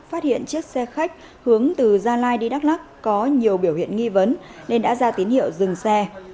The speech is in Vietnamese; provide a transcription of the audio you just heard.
phát hiện chiếc xe khách hướng từ gia lai đi đắk lắc có nhiều biểu hiện nghi vấn nên đã ra tín hiệu dừng xe